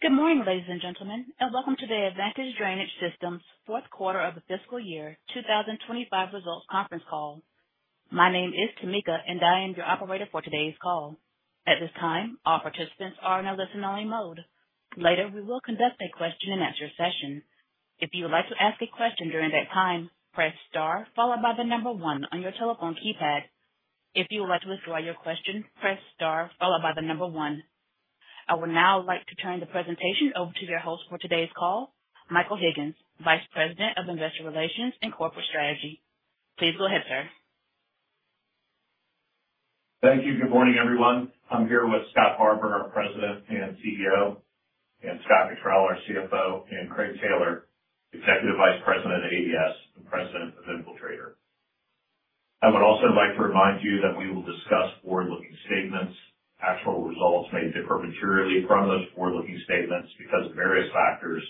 Good morning, ladies and gentlemen, and welcome to the Advanced Drainage Systems fourth quarter of the fiscal year 2025 results conference call. My name is Tamika, and I am your operator for today's call. At this time, all participants are in a listen-only mode. Later, we will conduct a question-and-answer session. If you would like to ask a question during that time, press star followed by the number one on your telephone keypad. If you would like to withdraw your question, press star followed by the number one. I would now like to turn the presentation over to your host for today's call, Michael Higgins, Vice President of Investor Relations and Corporate Strategy. Please go ahead, sir. Thank you. Good morning, everyone. I'm here with Scott Barbour, our President and CEO, and Scott Cottrill, our CFO, and Craig Taylor, Executive Vice President of ADS and President of Infiltrator. I would also like to remind you that we will discuss forward-looking statements. Actual results may differ materially from those forward-looking statements because of various factors,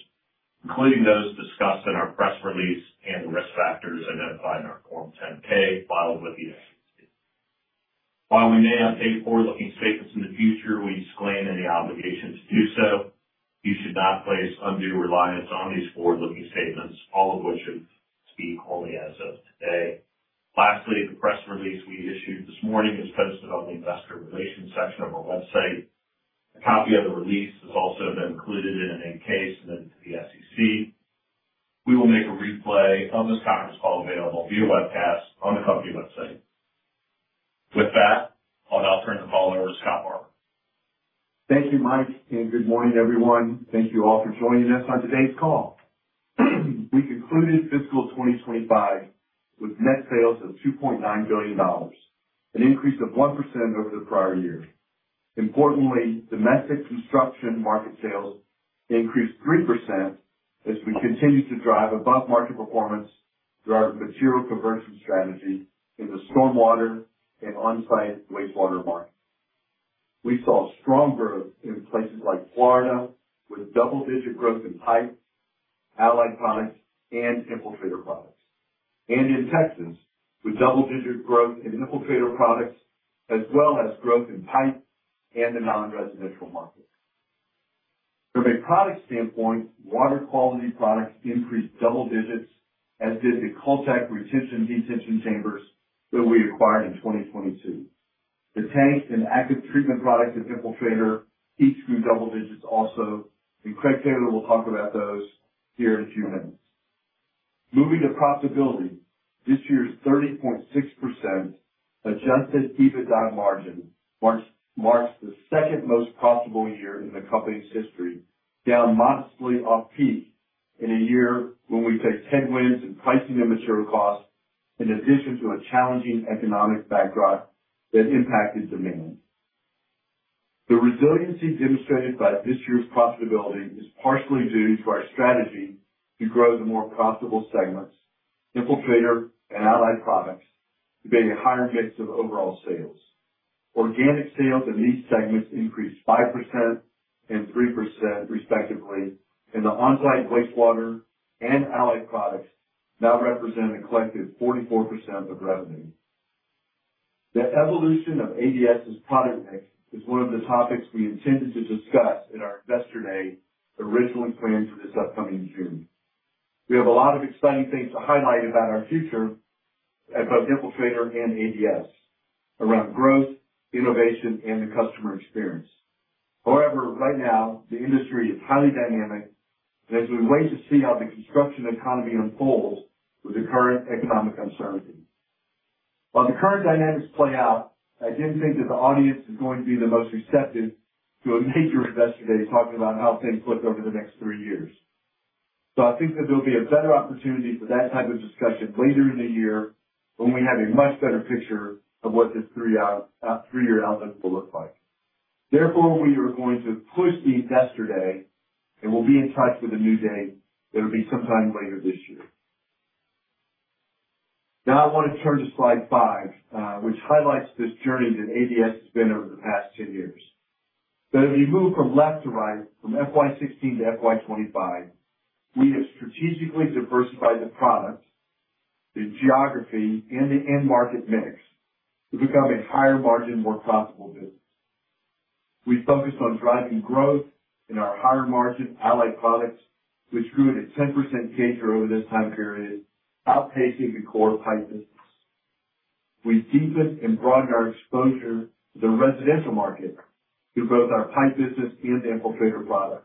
including those discussed in our press release and the risk factors identified in our Form 10-K filed with the agency. While we may make forward-looking statements in the future, we disclaim any obligation to do so. You should not place undue reliance on these forward-looking statements, all of which should be only as of today. Lastly, the press release we issued this morning is posted on the Investor Relations section of our website. A copy of the release has also been included in an encasement to the SEC. We will make a replay of this conference call available via webcast on the company website. With that, I'll now turn the call over to Scott Barbour. Thank you, Mike, and good morning, everyone. Thank you all for joining us on today's call. We concluded fiscal 2025 with net sales of $2.9 billion, an increase of 1% over the prior year. Importantly, domestic construction market sales increased 3% as we continued to drive above-market performance through our material conversion strategy in the stormwater and onsite wastewater market. We saw strong growth in places like Florida with double-digit growth in pipe, allied products, and Infiltrator products, and in Texas with double-digit growth in Infiltrator products as well as growth in pipe and the non-residential market. From a product standpoint, water quality products increased double digits, as did the cul-deck retention detention chambers that we acquired in 2022. The tanks and active treatment products of Infiltrator each grew double digits also, and Craig Taylor will talk about those here in a few minutes. Moving to profitability, this year's 30.6% adjusted EBITDA margin marks the second most profitable year in the company's history, down modestly off-peak in a year when we faced headwinds in pricing and material costs, in addition to a challenging economic backdrop that impacted demand. The resiliency demonstrated by this year's profitability is partially due to our strategy to grow the more profitable segments, Infiltrator and allied products, to be a higher mix of overall sales. Organic sales in these segments increased 5% and 3%, respectively, and the onsite wastewater and allied products now represent a collective 44% of revenue. The evolution of ADS's product mix is one of the topics we intended to discuss in our Investor Day, originally planned for this upcoming June. We have a lot of exciting things to highlight about our future at both Infiltrator and ADS around growth, innovation, and the customer experience. However, right now, the industry is highly dynamic, and as we wait to see how the construction economy unfolds with the current economic uncertainty. While the current dynamics play out, I did not think that the audience is going to be the most receptive to a major Investor Day talking about how things look over the next three years. I think that there will be a better opportunity for that type of discussion later in the year when we have a much better picture of what this three-year outlook will look like. Therefore, we are going to push the Investor Day, and we will be in touch with a new date that will be sometime later this year. Now, I want to turn to slide five, which highlights this journey that ADS has been over the past 10 years. That if you move from left to right, from FY 2016 to FY 2025, we have strategically diversified the product, the geography, and the end market mix to become a higher-margin, more profitable business. We focused on driving growth in our higher-margin allied products, which grew at a 10% CAGR over this time period, outpacing the core pipe business. We've deepened and broadened our exposure to the residential market through both our pipe business and Infiltrator products.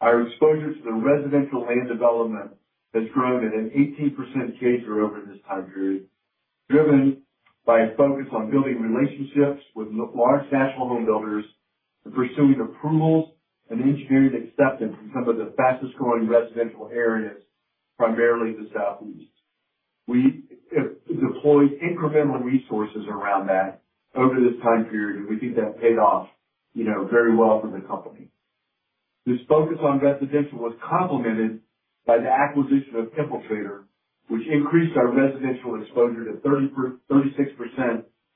Our exposure to the residential land development has grown at an 18% CAGR over this time period, driven by a focus on building relationships with large national home builders and pursuing approvals and engineering acceptance in some of the fastest-growing residential areas, primarily the Southeast. We deployed incremental resources around that over this time period, and we think that paid off very well for the company. This focus on residential was complemented by the acquisition of Infiltrator, which increased our residential exposure to 36%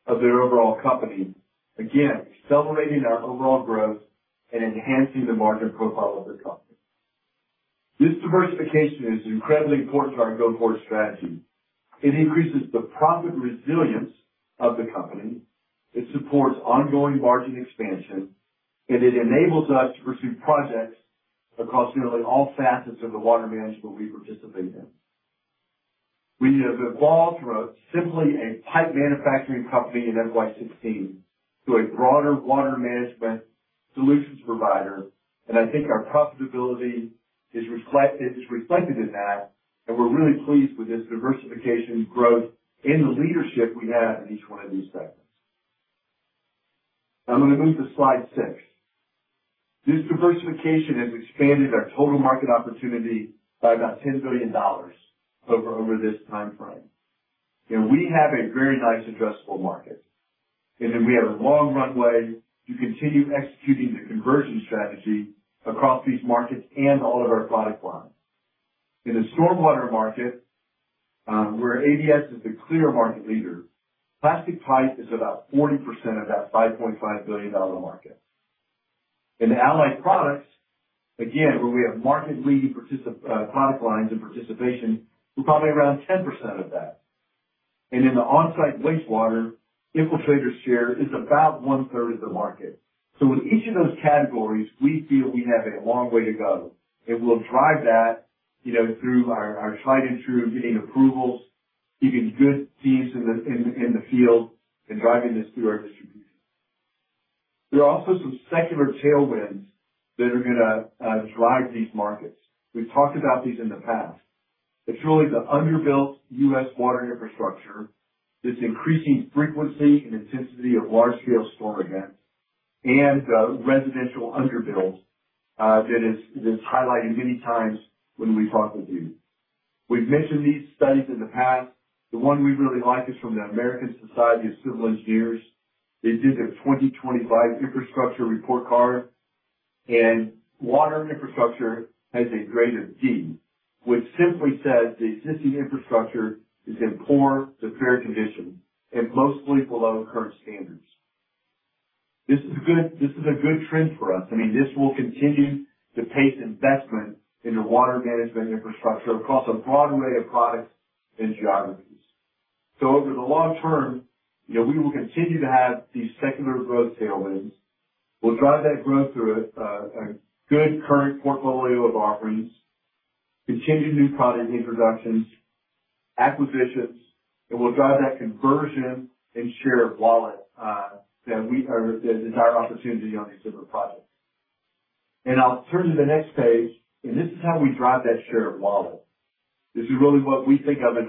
of the overall company, again, accelerating our overall growth and enhancing the margin profile of the company. This diversification is incredibly important to our go forward strategy. It increases the profit resilience of the company. It supports ongoing margin expansion, and it enables us to pursue projects across nearly all facets of the water management we participate in. We have evolved from simply a pipe manufacturing company in FY 2016 to a broader water management solutions provider, and I think our profitability is reflected in that, and we're really pleased with this diversification growth and the leadership we have in each one of these segments. I'm going to move to slide six. This diversification has expanded our total market opportunity by about $10 billion over this time frame. We have a very nice addressable market, and then we have a long runway to continue executing the conversion strategy across these markets and all of our product lines. In the stormwater market, where ADS is the clear market leader, plastic pipe is about 40% of that $5.5 billion market. In the allied products, again, where we have market-leading product lines and participation, we're probably around 10% of that. In the onsite wastewater, Infiltrator's share is about one-third of the market. In each of those categories, we feel we have a long way to go, and we'll drive that through our tried-and-true getting approvals, keeping good teams in the field, and driving this through our distribution. There are also some secular tailwinds that are going to drive these markets. We've talked about these in the past. It's really the underbuilt U.S. Water infrastructure, this increasing frequency and intensity of large-scale storm events, and residential underbuilt that is highlighted many times when we talk with you. We've mentioned these studies in the past. The one we really like is from the American Society of Civil Engineers. They did their 2025 infrastructure report card, and water infrastructure has a grade of D, which simply says the existing infrastructure is in poor to fair condition and mostly below current standards. This is a good trend for us. I mean, this will continue to pace investment into water management infrastructure across a broad array of products and geographies. Over the long term, we will continue to have these secular growth tailwinds. We'll drive that growth through a good current portfolio of offerings, continued new product introductions, acquisitions, and we'll drive that conversion and share of wallet that we are the desired opportunity on these different projects. I'll turn to the next page, and this is how we drive that share of wallet. This is really what we think of as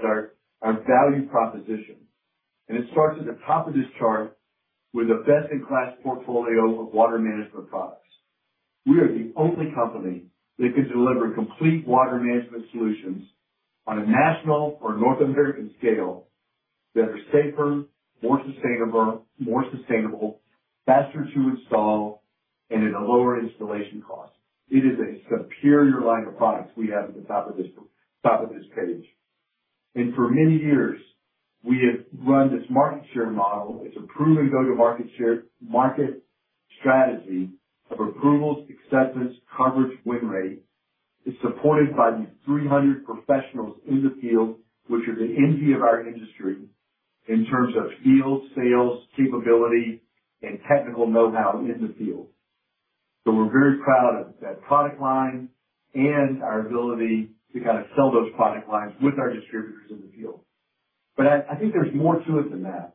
our value proposition, and it starts at the top of this chart with a best-in-class portfolio of water management products. We are the only company that can deliver complete water management solutions on a national or North American scale that are safer, more sustainable, faster to install, and at a lower installation cost. It is a superior line of products we have at the top of this page. For many years, we have run this market share model. It's a proven go-to-market strategy of approvals, acceptance, coverage, win rate. It's supported by the 300 professionals in the field, which are the envy of our industry in terms of field sales, capability, and technical know-how in the field. We are very proud of that product line and our ability to kind of sell those product lines with our distributors in the field. I think there's more to it than that.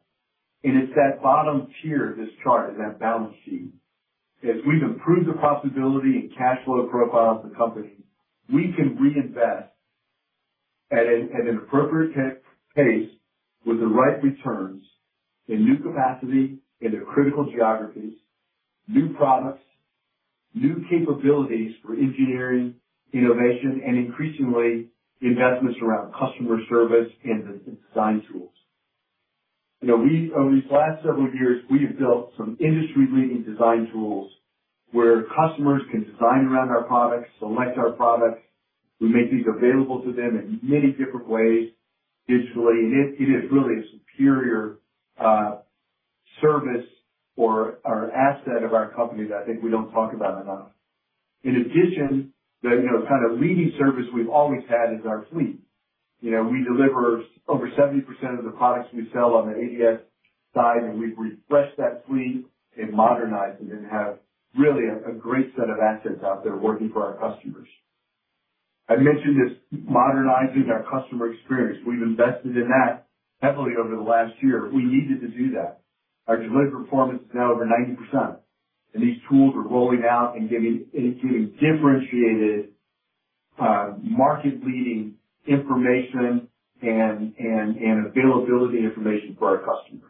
That bottom tier of this chart is that balance sheet. As we've improved the profitability and cash flow profile of the company, we can reinvest at an appropriate pace with the right returns in new capacity in the critical geographies, new products, new capabilities for engineering, innovation, and increasingly investments around customer service and design tools. Over these last several years, we have built some industry-leading design tools where customers can design around our products, select our products. We make these available to them in many different ways digitally, and it is really a superior service or asset of our company that I think we do not talk about enough. In addition, the kind of leading service we have always had is our fleet. We deliver over 70% of the products we sell on the ADS side, and we have refreshed that fleet and modernized it and have really a great set of assets out there working for our customers. I mentioned this modernizing our customer experience. We have invested in that heavily over the last year. We needed to do that. Our delivery performance is now over 90%, and these tools are rolling out and giving differentiated market-leading information and availability information for our customers.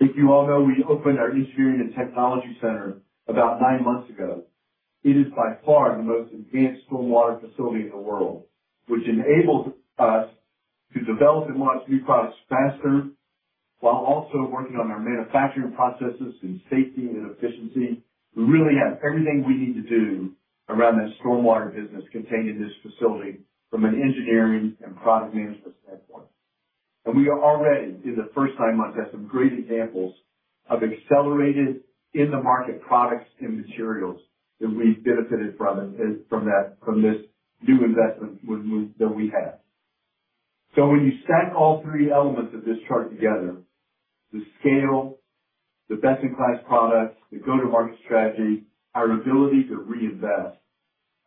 I think you all know we opened our engineering and technology center about nine months ago. It is by far the most advanced stormwater facility in the world, which enables us to develop and launch new products faster while also working on our manufacturing processes and safety and efficiency. We really have everything we need to do around that stormwater business contained in this facility from an engineering and product management standpoint. We are already, in the first nine months, had some great examples of accelerated in-the-market products and materials that we benefited from this new investment that we had. When you stack all three elements of this chart together, the scale, the best-in-class products, the go-to-market strategy, our ability to reinvest,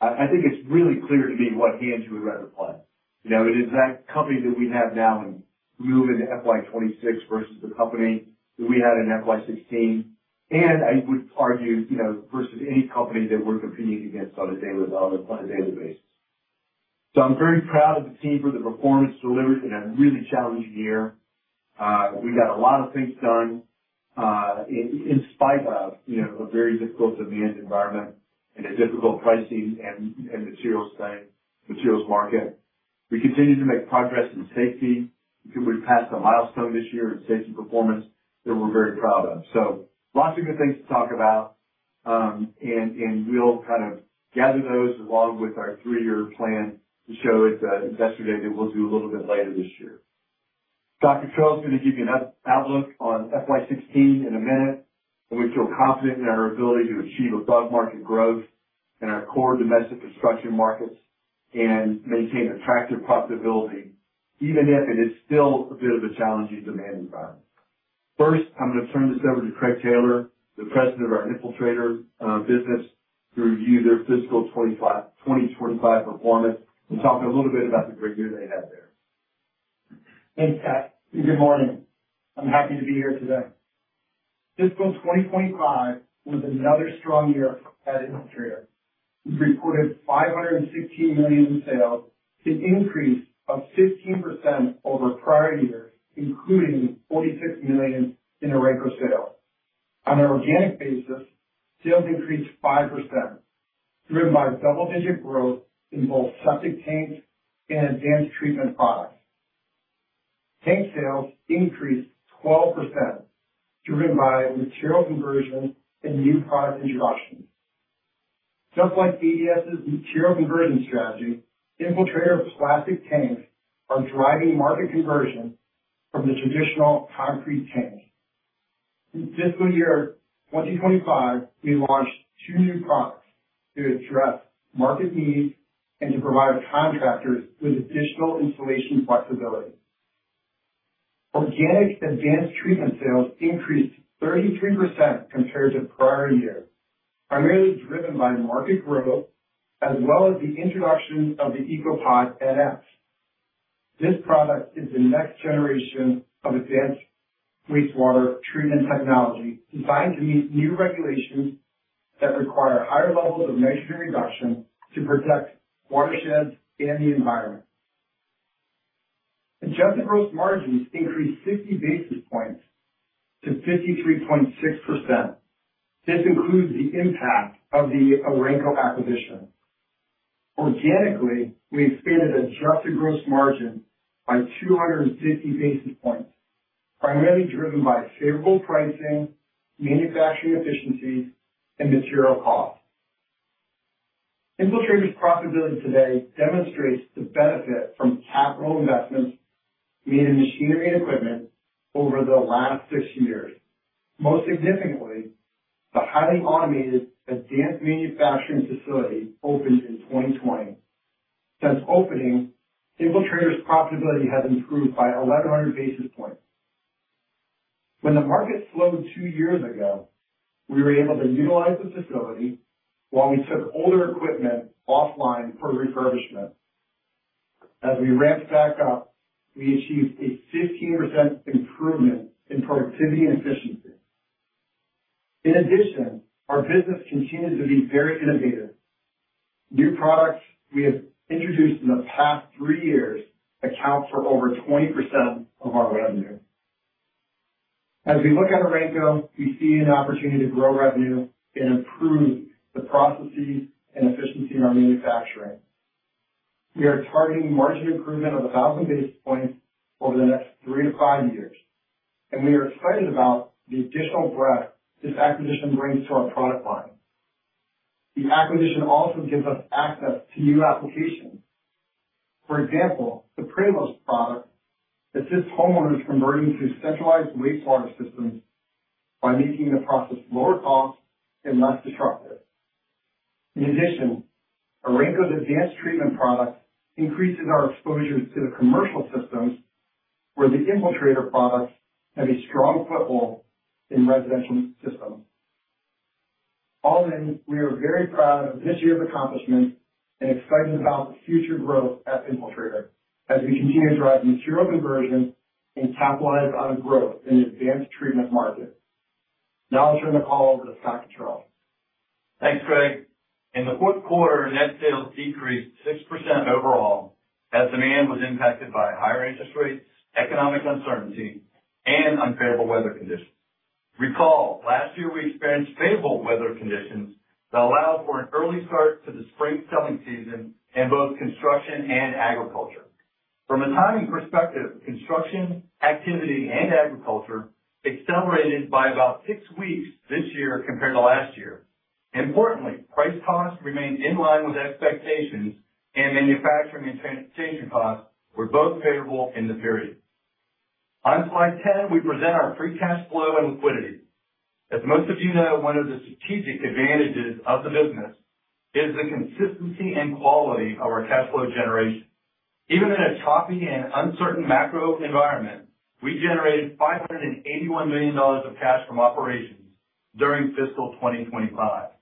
I think it is really clear to me what hands you would rather play. It is that company that we have now and move into FY 2026 versus the company that we had in FY 2016, and I would argue versus any company that we're competing against on a daily basis. I'm very proud of the team for the performance delivered in a really challenging year. We got a lot of things done in spite of a very difficult demand environment and a difficult pricing and materials market. We continue to make progress in safety. We passed a milestone this year in safety performance that we're very proud of. Lots of good things to talk about, and we'll kind of gather those along with our three-year plan to show at the Investor Day that we'll do a little bit later this year. Dr. Carl's going to give you an outlook on FY 2016 in a minute, and we feel confident in our ability to achieve above-market growth in our core domestic construction markets and maintain attractive profitability, even if it is still a bit of a challenging demand environment. First, I'm going to turn this over to Craig Taylor, the President of our Infiltrator business, to review their fiscal 2025 performance and talk a little bit about the great year they had there. Thanks, Scott. Good morning. I'm happy to be here today. Fiscal 2025 was another strong year at Infiltrator. We reported $516 million in sales, an increase of 15% over prior year, including $46 million in array per sale. On an organic basis, sales increased 5%, driven by double-digit growth in both septic tanks and advanced treatment products. Tank sales increased 12%, driven by material conversion and new product introduction. Just like ADS's material conversion strategy, Infiltrator plastic tanks are driving market conversion from the traditional concrete tank. In fiscal year 2025, we launched two new products to address market needs and to provide contractors with additional installation flexibility. Organic advanced treatment sales increased 33% compared to prior year, primarily driven by market growth as well as the introduction of the EcoPod NS. This product is the next generation of advanced wastewater treatment technology designed to meet new regulations that require higher levels of nitrogen reduction to protect watersheds and the environment. Adjusted gross margins increased 60 basis points to 53.6%. This includes the impact of the acquisition. Organically, we expanded adjusted gross margin by 250 basis points, primarily driven by favorable pricing, manufacturing efficiencies, and material costs. Infiltrator's profitability today demonstrates the benefit from capital investments made in machinery and equipment over the last six years. Most significantly, the highly automated advanced manufacturing facility opened in 2020. Since opening, Infiltrator's profitability has improved by 1,100 basis points. When the market slowed two years ago, we were able to utilize the facility while we took older equipment offline for refurbishment. As we ramped back up, we achieved a 15% improvement in productivity and efficiency. In addition, our business continues to be very innovative. New products we have introduced in the past three years account for over 20% of our revenue. As we look at Orenco, we see an opportunity to grow revenue and improve the processes and efficiency in our manufacturing. We are targeting margin improvement of 1,000 basis points over the next three to five years, and we are excited about the additional breadth this acquisition brings to our product line. The acquisition also gives us access to new applications. For example, the Prairie's product assists homeowners converting to centralized wastewater systems by making the process lower cost and less disruptive. In addition, Orenco's advanced treatment product increases our exposures to the commercial systems, where the Infiltrator products have a strong foothold in residential systems. All in, we are very proud of this year's accomplishments and excited about the future growth at Infiltrator as we continue to drive material conversion and capitalize on growth in the advanced treatment market. Now I'll turn the call over to Scott Barbour. Thanks, Craig. In the fourth quarter, net sales decreased 6% overall as demand was impacted by higher interest rates, economic uncertainty, and unfavorable weather conditions. Recall, last year we experienced favorable weather conditions that allowed for an early start to the spring selling season in both construction and agriculture. From a timing perspective, construction activity and agriculture accelerated by about six weeks this year compared to last year. Importantly, price costs remained in line with expectations, and manufacturing and transportation costs were both favorable in the period. On slide 10, we present our free cash flow and liquidity. As most of you know, one of the strategic advantages of the business is the consistency and quality of our cash flow generation. Even in a choppy and uncertain macro environment, we generated $581 million of cash from operations during fiscal 2025.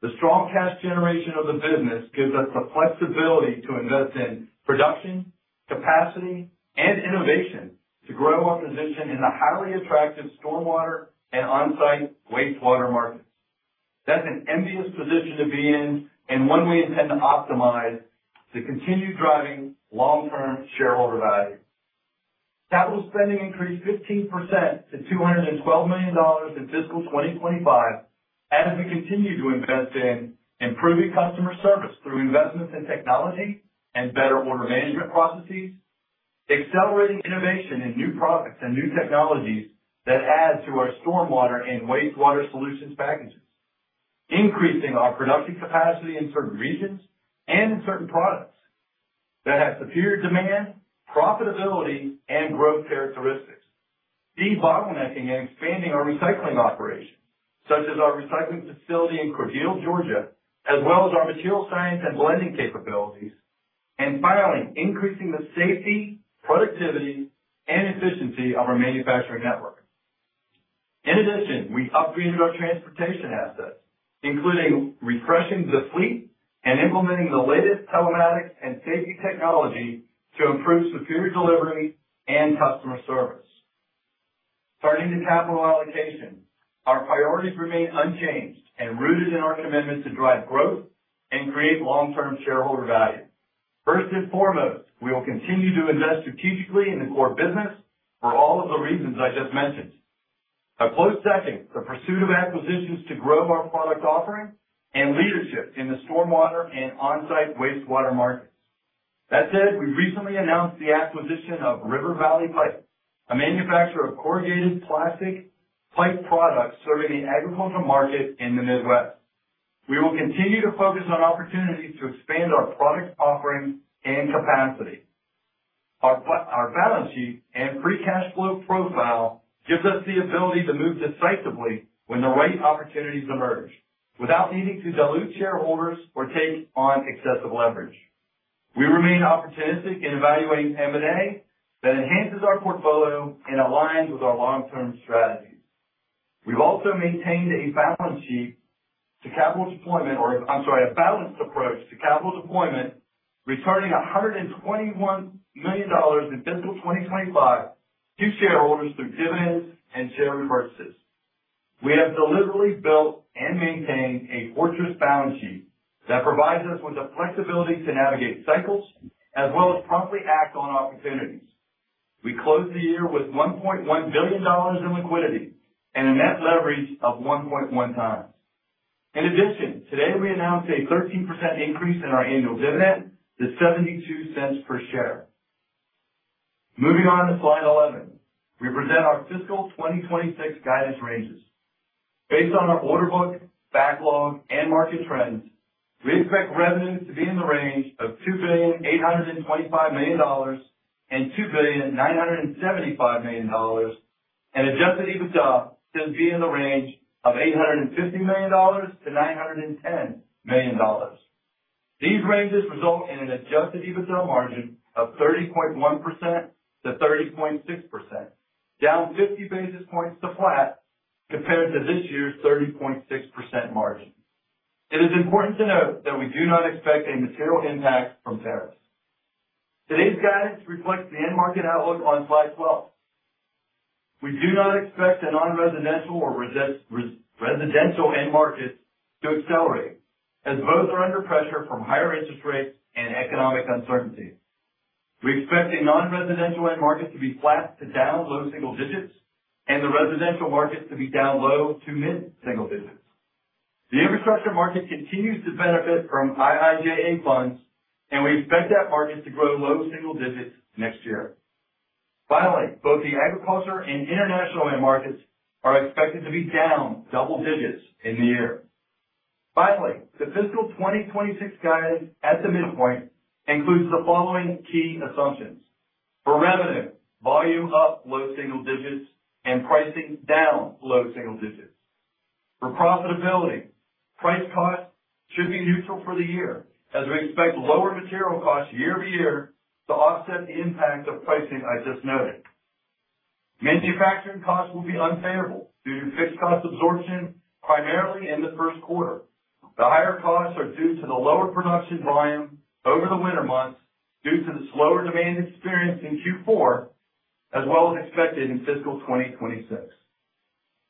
The strong cash generation of the business gives us the flexibility to invest in production, capacity, and innovation to grow our position in the highly attractive stormwater and onsite wastewater markets. That's an envious position to be in and one we intend to optimize to continue driving long-term shareholder value. Capital spending increased 15% to $212 million in fiscal 2025 as we continue to invest in improving customer service through investments in technology and better order management processes, accelerating innovation in new products and new technologies that add to our stormwater and wastewater solutions packages, increasing our production capacity in certain regions and in certain products that have superior demand, profitability, and growth characteristics, debottlenecking and expanding our recycling operations, such as our recycling facility in Cordele, Georgia, as well as our material science and blending capabilities, and finally, increasing the safety, productivity, and efficiency of our manufacturing network. In addition, we upgraded our transportation assets, including refreshing the fleet and implementing the latest telematics and safety technology to improve superior delivery and customer service. Turning to capital allocation, our priorities remain unchanged and rooted in our commitment to drive growth and create long-term shareholder value. First and foremost, we will continue to invest strategically in the core business for all of the reasons I just mentioned. A close second, the pursuit of acquisitions to grow our product offering and leadership in the stormwater and onsite wastewater markets. That said, we recently announced the acquisition of River Valley Pipe, a manufacturer of corrugated plastic pipe products serving the agricultural market in the Midwest. We will continue to focus on opportunities to expand our product offering and capacity. Our balance sheet and free cash flow profile gives us the ability to move decisively when the right opportunities emerge without needing to dilute shareholders or take on excessive leverage. We remain opportunistic in evaluating M&A that enhances our portfolio and aligns with our long-term strategies. We've also maintained a balanced approach to capital deployment, returning $121 million in fiscal 2025 to shareholders through dividends and share repurchases. We have deliberately built and maintained a fortress balance sheet that provides us with the flexibility to navigate cycles as well as promptly act on opportunities. We closed the year with $1.1 billion in liquidity and a net leverage of 1.1x. In addition, today we announced a 13% increase in our annual dividend to $0.72 per share. Moving on to slide 11, we present our fiscal 2026 guidance ranges. Based on our order book, backlog, and market trends, we expect revenues to be in the range of $2,825 million-$2,975 million, and adjusted EBITDA to be in the range of $850 million-$910 million. These ranges result in an adjusted EBITDA margin of 30.1%-30.6%, down 50 basis points to flat compared to this year's 30.6% margin. It is important to note that we do not expect a material impact from tariffs. Today's guidance reflects the end market outlook on slide 12. We do not expect the non-residential or residential end markets to accelerate as both are under pressure from higher interest rates and economic uncertainty. We expect the non-residential end market to be flat to down low single digits and the residential market to be down low to mid single digits. The infrastructure market continues to benefit from IIJA funds, and we expect that market to grow low single digits next year. Finally, both the agriculture and international end markets are expected to be down double digits in the year. Finally, the fiscal 2026 guidance at the midpoint includes the following key assumptions. For revenue, volume up low single digits and pricing down low single digits. For profitability, price cost should be neutral for the year as we expect lower material costs year-over-year to offset the impact of pricing I just noted. Manufacturing costs will be unfavorable due to fixed cost absorption primarily in the first quarter. The higher costs are due to the lower production volume over the winter months due to the slower demand experienced in Q4, as well as expected in fiscal 2026.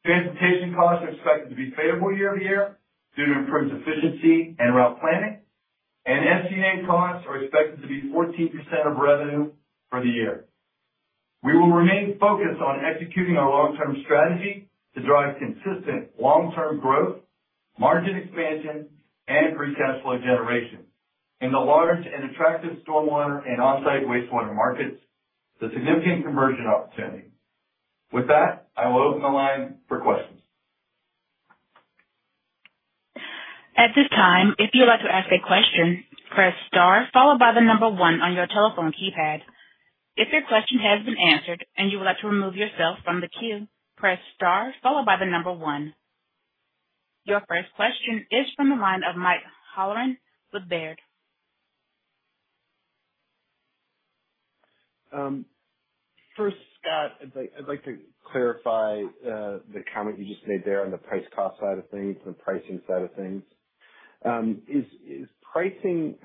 Transportation costs are expected to be favorable year-over-year due to improved efficiency and route planning, and SG&A costs are expected to be 14% of revenue for the year. We will remain focused on executing our long-term strategy to drive consistent long-term growth, margin expansion, and free cash flow generation in the large and attractive stormwater and onsite wastewater markets, the significant conversion opportunity. With that, I will open the line for questions. At this time, if you'd like to ask a question, press star followed by the number one on your telephone keypad. If your question has been answered and you would like to remove yourself from the queue, press star followed by the number one. Your first question is from the line of Mike Halloran with Baird. First, Scott, I'd like to clarify the comment you just made there on the price cost side of things and the pricing side of things. How is pricing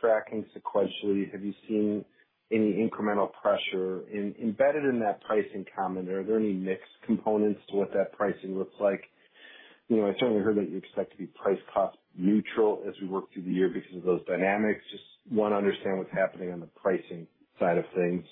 tracking sequentially? Have you seen any incremental pressure embedded in that pricing comment, or are there any mixed components to what that pricing looks like? I certainly heard that you expect to be price cost neutral as we work through the year because of those dynamics. Just want to understand what's happening on the pricing side of things.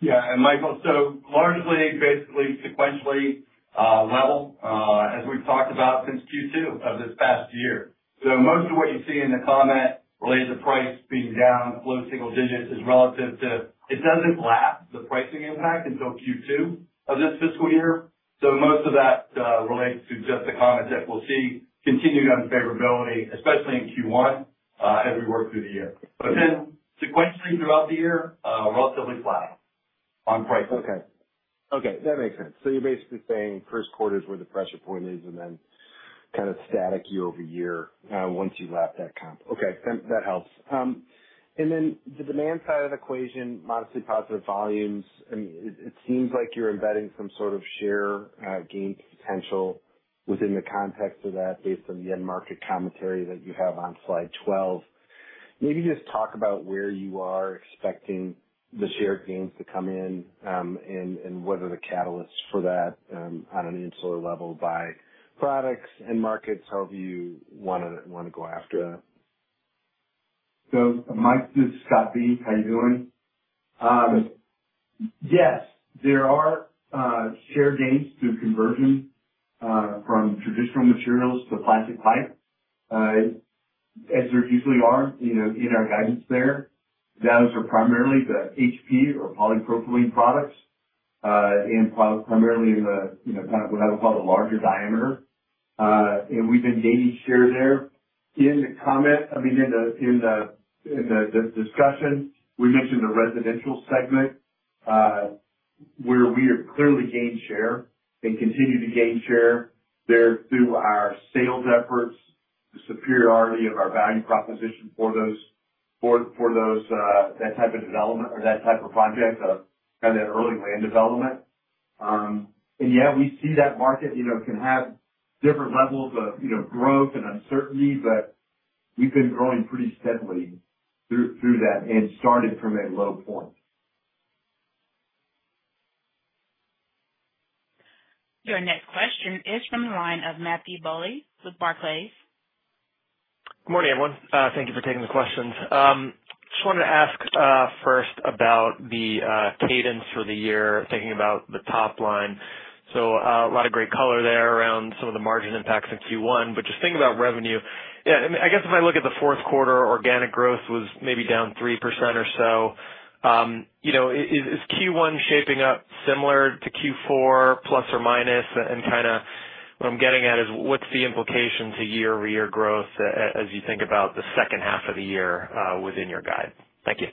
Yeah. Michael, so largely, basically sequentially level as we've talked about since Q2 of this past year. Most of what you see in the comment related to price being down low single digits is relative to it does not lap the pricing impact until Q2 of this fiscal year. Most of that relates to just the comment that we'll see continued unfavorability, especially in Q1 as we work through the year. Sequentially throughout the year, relatively flat on pricing. Okay. Okay. That makes sense. You are basically saying first quarter is where the pressure point is and then kind of static year-over-year once you lap that comp. Okay. That helps. The demand side of the equation, modestly positive volumes, it seems like you are embedding some sort of share gain potential within the context of that based on the end market commentary that you have on slide 12. Maybe just talk about where you are expecting the share gains to come in and what are the catalysts for that on an insular level by products and markets, however you want to go after that. Mike, this is Scott B., how are you doing? Yes. There are share gains through conversion from traditional materials to plastic pipe, as there usually are in our guidance there. Those are primarily the HP or polypropylene products and primarily in the kind of what I would call the larger diameter. We have been gaining share there. In the comment, I mean, in the discussion, we mentioned the residential segment where we have clearly gained share and continue to gain share there through our sales efforts, the superiority of our value proposition for that type of development or that type of project, kind of that early land development. Yeah, we see that market can have different levels of growth and uncertainty, but we have been growing pretty steadily through that and started from a low point. Your next question is from the line of Matthew Bouley with Barclays. Good morning, everyone. Thank you for taking the questions. Just wanted to ask first about the cadence for the year, thinking about the top line. A lot of great color there around some of the margin impacts in Q1, but just thinking about revenue. Yeah. I guess if I look at the fourth quarter, organic growth was maybe down 3% or so. Is Q1 shaping up similar to Q4 plus or minus? What I'm getting at is what's the implications to year-over-year growth as you think about the second half of the year within your guide? Thank you.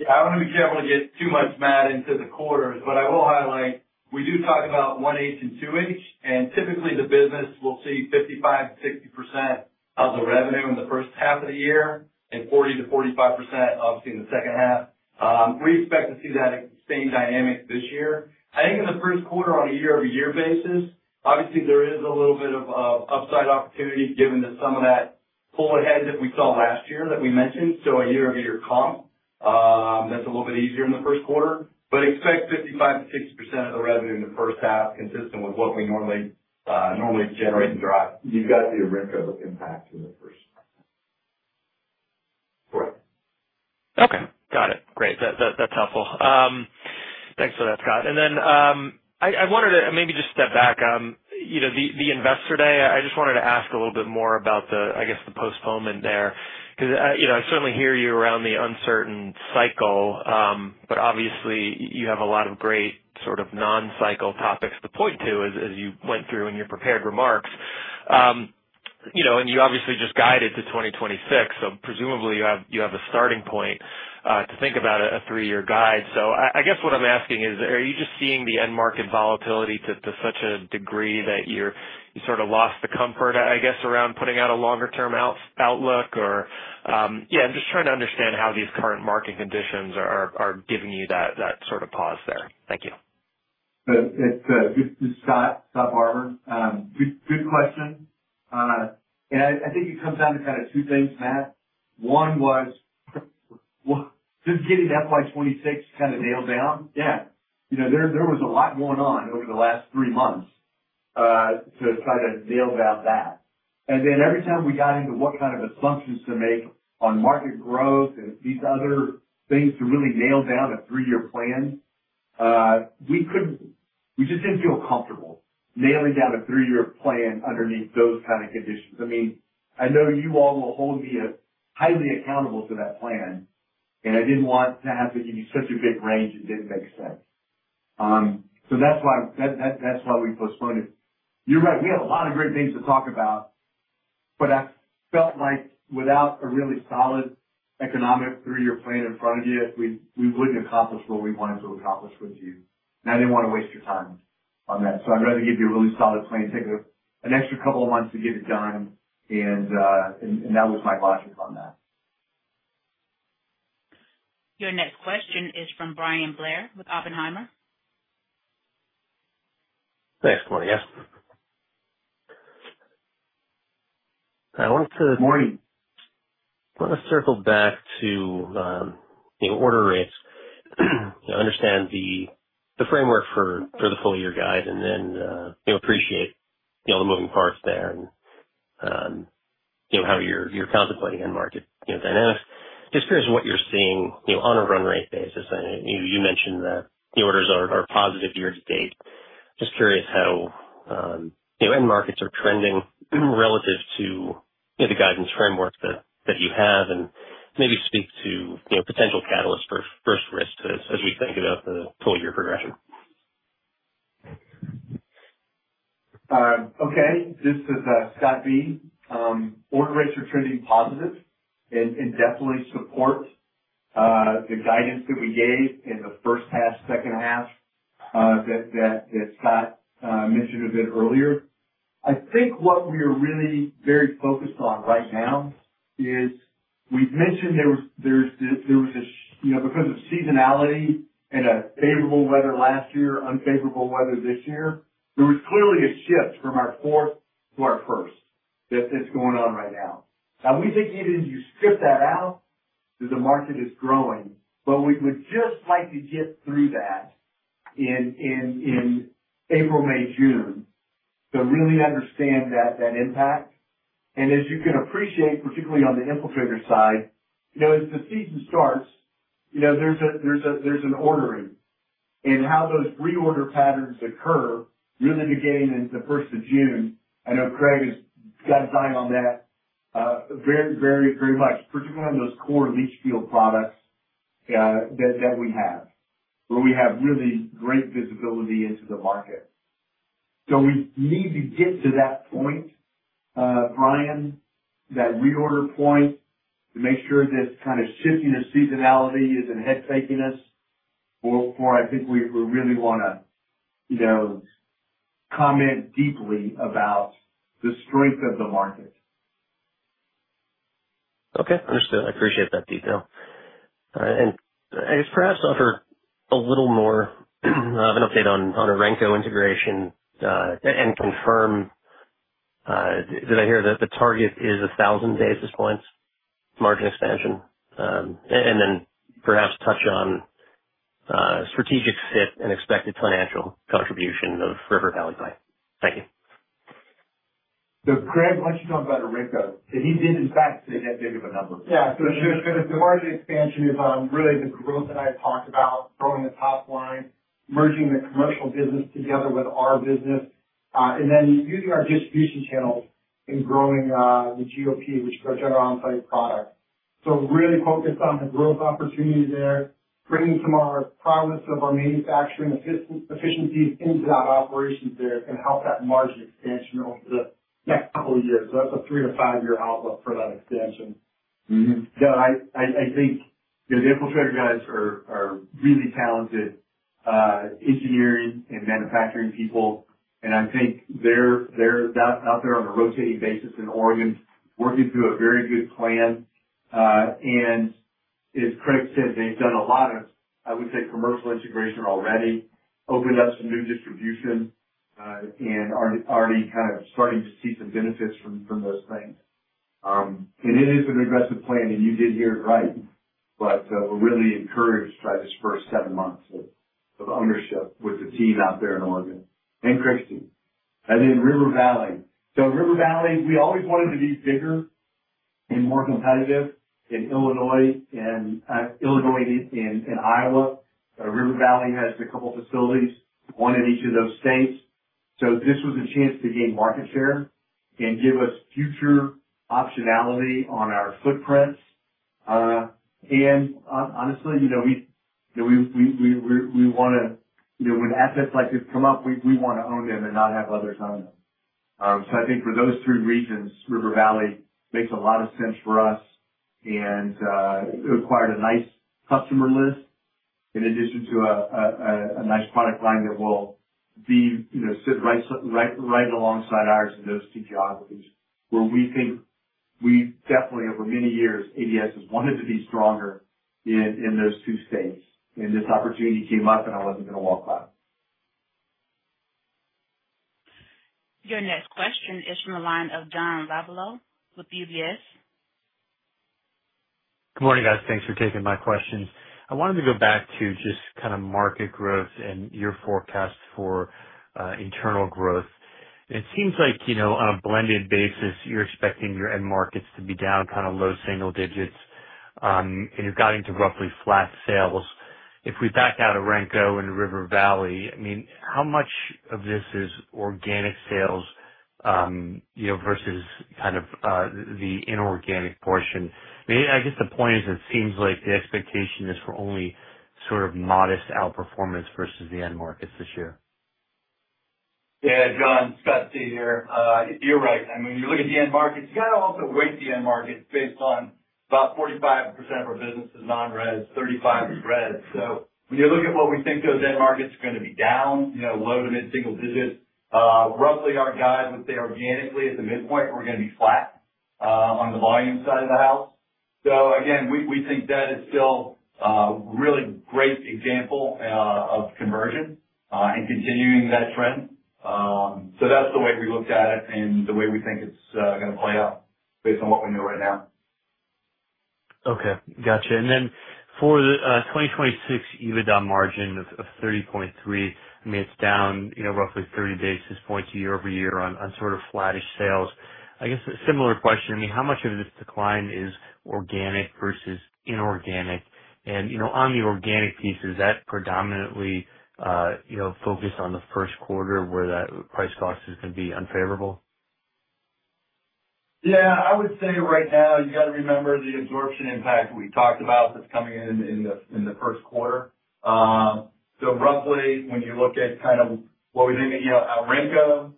Yeah. I do not want to get too much mad into the quarters, but I will highlight we do talk about 1H and 2H, and typically the business will see 55-60% of the revenue in the first half of the year and 40-45%, obviously, in the second half. We expect to see that same dynamic this year. I think in the first quarter, on a year-over-year basis, obviously, there is a little bit of upside opportunity given to some of that pull ahead that we saw last year that we mentioned. So a year-over-year comp, that is a little bit easier in the first quarter, but expect 55-60% of the revenue in the first half consistent with what we normally generate and drive. You've got the Orenco impact in the first half. Correct. Okay. Got it. Great. That's helpful. Thanks for that, Scott. I wanted to maybe just step back. The investor day, I just wanted to ask a little bit more about, I guess, the postponement there because I certainly hear you around the uncertain cycle, but obviously, you have a lot of great sort of non-cycle topics to point to as you went through in your prepared remarks. You obviously just guided to 2026, so presumably you have a starting point to think about a three-year guide. I guess what I'm asking is, are you just seeing the end market volatility to such a degree that you sort of lost the comfort, I guess, around putting out a longer-term outlook? Yeah, I'm just trying to understand how these current market conditions are giving you that sort of pause there. Thank you. This is Scott Barbour. Good question. I think it comes down to kind of two things, Matt. One was just getting FY 2026 kind of nailed down. Yeah. There was a lot going on over the last three months to try to nail down that. Every time we got into what kind of assumptions to make on market growth and these other things to really nail down a three-year plan, we just did not feel comfortable nailing down a three-year plan underneath those kind of conditions. I mean, I know you all will hold me highly accountable to that plan, and I did not want to have to give you such a big range and did not make sense. That is why we postponed it. You are right. We have a lot of great things to talk about, but I felt like without a really solid economic three-year plan in front of you, we would not accomplish what we wanted to accomplish with you. I did not want to waste your time on that. I would rather give you a really solid plan, take an extra couple of months to get it done, and that was my logic on that. Your next question is from Bryan Blair with Oppenheimer. Thanks, Claudia. I wanted to. Morning. Want to circle back to order rates, understand the framework for the full-year guide, and then appreciate all the moving parts there and how you're contemplating end market dynamics. Just curious what you're seeing on a run rate basis. You mentioned that the orders are positive year-to-date. Just curious how end markets are trending relative to the guidance framework that you have and maybe speak to potential catalysts for first risk as we think about the full-year progression. Okay. This is Scott B. Order rates are trending positive and definitely support the guidance that we gave in the first half, second half that Scott mentioned a bit earlier. I think what we are really very focused on right now is we've mentioned there was a, because of seasonality and a favorable weather last year, unfavorable weather this year, there was clearly a shift from our fourth to our first that's going on right now. Now, we think even if you strip that out, the market is growing, but we would just like to get through that in April, May, June to really understand that impact. And as you can appreciate, particularly on the Infiltrator side, as the season starts, there's an ordering. And how those reorder patterns occur really began in the first of June. I know Craig has got his eye on that very, very much, particularly on those core leach field products that we have where we have really great visibility into the market. We need to get to that point, Brian, that reorder point to make sure this kind of shifting of seasonality is not head-shaking us before I think we really want to comment deeply about the strength of the market. Okay. Understood. I appreciate that detail. All right. I guess perhaps offer a little more of an update on Orenco integration and confirm that I hear that the target is 1,000 basis points margin expansion and then perhaps touch on strategic fit and expected financial contribution of River Valley Pipe. Thank you. Craig, why don't you talk about Orenco? He didn't in fact say that big of a number. Yeah. The margin expansion is really the growth that I talked about, growing the top line, merging the commercial business together with our business, and then using our distribution channels and growing the GOP, which is our general onsite product. Really focused on the growth opportunity there, bringing some of our prowess of our manufacturing efficiencies into that operation there and help that margin expansion over the next couple of years. That is a three to five-year outlook for that expansion. Yeah. I think the Infiltrator guys are really talented engineering and manufacturing people, and I think they're out there on a rotating basis in Oregon working through a very good plan. As Craig said, they've done a lot of, I would say, commercial integration already, opened up some new distribution, and are already kind of starting to see some benefits from those things. It is an aggressive plan, and you did hear it right, but we're really encouraged by this first seven months of ownership with the team out there in Oregon and Christie. River Valley. River Valley, we always wanted to be bigger and more competitive in Illinois and Iowa. River Valley has a couple of facilities, one in each of those states. This was a chance to gain market share and give us future optionality on our footprints. Honestly, we want to, when assets like this come up, we want to own them and not have others own them. I think for those three reasons, River Valley makes a lot of sense for us and acquired a nice customer list in addition to a nice product line that will sit right alongside ours in those two geographies where we think we definitely, over many years, ADS has wanted to be stronger in those two states. This opportunity came up, and I was not going to walk by. Your next question is from the line of [John Ravelo] with UBS. Good morning, guys. Thanks for taking my questions. I wanted to go back to just kind of market growth and your forecast for internal growth. It seems like on a blended basis, you're expecting your end markets to be down kind of low single digits, and you've gotten to roughly flat sales. If we back out Orenco and River Valley, I mean, how much of this is organic sales versus kind of the inorganic portion? I mean, I guess the point is it seems like the expectation is for only sort of modest outperformance versus the end markets this year. Yeah. [John], Scott C here. You're right. I mean, when you look at the end markets, you got to also weight the end markets based on about 45% of our business is non-rez, 35% is rez. When you look at what we think those end markets are going to be down, low to mid single digits, roughly our guide would say organically at the midpoint, we're going to be flat on the volume side of the house. Again, we think that is still a really great example of conversion and continuing that trend. That's the way we looked at it and the way we think it's going to play out based on what we know right now. Okay. Gotcha. And then for the 2026 EBITDA margin of 30.3%, I mean, it's down roughly 30 basis points year-over-year on sort of flattish sales. I guess a similar question. I mean, how much of this decline is organic versus inorganic? And on the organic piece, is that predominantly focused on the first quarter where that price cost is going to be unfavorable? Yeah. I would say right now, you got to remember the absorption impact we talked about that's coming in in the first quarter. So roughly, when you look at kind of what we think of Orenco,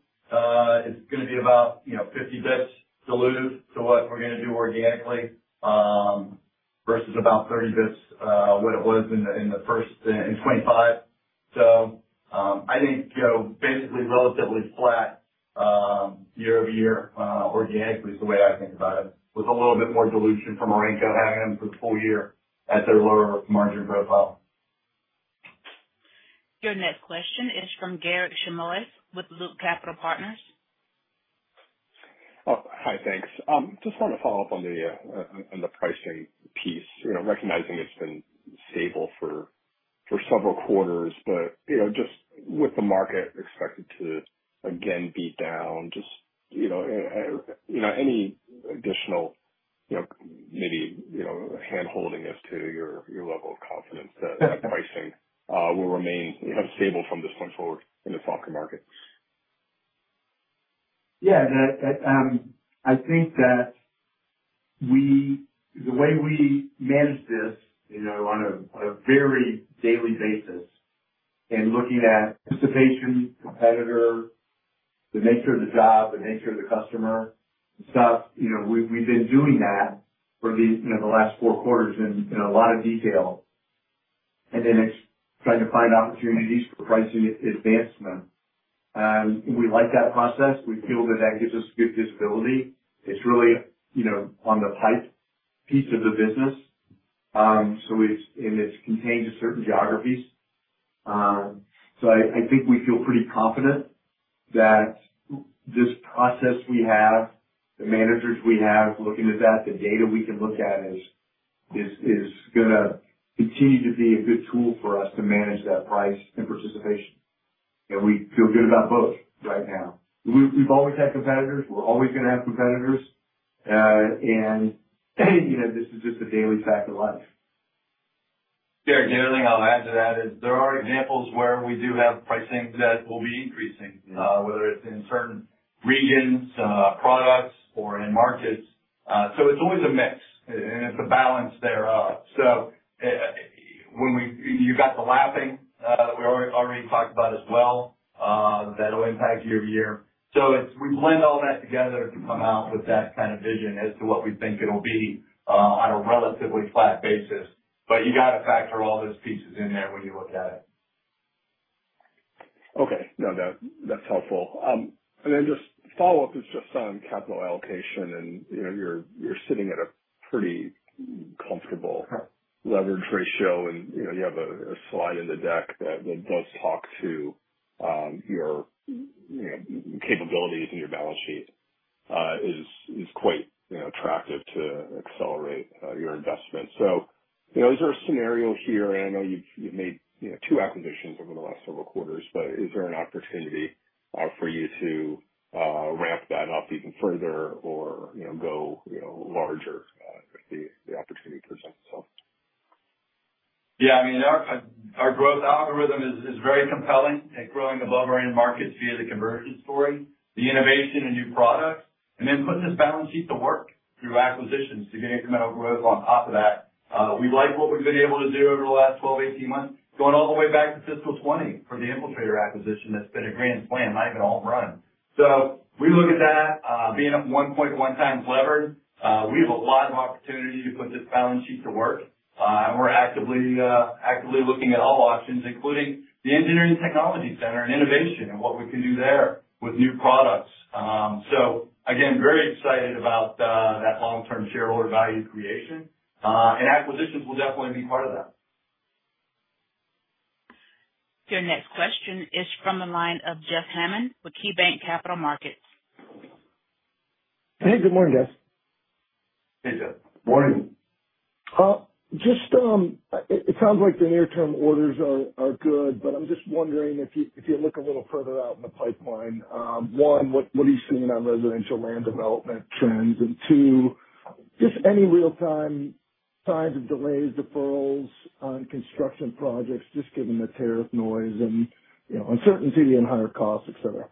it's going to be about 50 basis points diluted to what we're going to do organically versus about 30 basis points what it was in the first in 2025. I think basically relatively flat year-over-year organically is the way I think about it, with a little bit more dilution from Orenco having them for the full year at their lower margin profile. Your next question is from [Garrick Shimoles] with Luke Capital Partners. Hi, thanks. Just wanted to follow up on the pricing piece, recognizing it's been stable for several quarters, but just with the market expected to again be down, just any additional maybe hand-holding as to your level of confidence that pricing will remain stable from this point forward in the stock market. Yeah. I think that the way we manage this on a very daily basis and looking at participation, competitor, the nature of the job, the nature of the customer and stuff, we've been doing that for the last four quarters in a lot of detail. Then it's trying to find opportunities for pricing advancement. We like that process. We feel that that gives us good visibility. It's really on the pipe piece of the business, and it's contained to certain geographies. I think we feel pretty confident that this process we have, the managers we have looking at that, the data we can look at is going to continue to be a good tool for us to manage that price and participation. We feel good about both right now. We've always had competitors. We're always going to have competitors. This is just a daily fact of life. [Garrick], the only thing I'll add to that is there are examples where we do have pricing that will be increasing, whether it's in certain regions, products, or end markets. It is always a mix, and it is a balance thereof. You have the lapping that we already talked about as well that will impact year to year. We blend all that together to come out with that kind of vision as to what we think it will be on a relatively flat basis. You have to factor all those pieces in there when you look at it. Okay. No, that's helpful. Then just follow-up is just on capital allocation, and you're sitting at a pretty comfortable leverage ratio, and you have a slide in the deck that does talk to your capabilities and your balance sheet is quite attractive to accelerate your investment. Is there a scenario here? I know you've made two acquisitions over the last several quarters, but is there an opportunity for you to ramp that up even further or go larger if the opportunity presents itself? Yeah. I mean, our growth algorithm is very compelling at growing above our end markets via the conversion story, the innovation and new products, and then put this balance sheet to work through acquisitions to get incremental growth on top of that. We like what we've been able to do over the last 12, 18 months, going all the way back to fiscal 2020 for the Infiltrator acquisition that's been a grand slam, not even a home run. We look at that being a 1.1x levered. We have a lot of opportunity to put this balance sheet to work, and we're actively looking at all options, including the engineering technology center and innovation and what we can do there with new products. Again, very excited about that long-term shareholder value creation, and acquisitions will definitely be part of that. Your next question is from the line of Jeff Hammond with KeyBanc Capital Markets. Hey, good morning, guys. Hey, Jeff. Morning. Just it sounds like the near-term orders are good, but I'm just wondering if you look a little further out in the pipeline. One, what are you seeing on residential land development trends? Two, just any real-time signs of delays, deferrals on construction projects just given the tariff noise and uncertainty and higher costs, etc.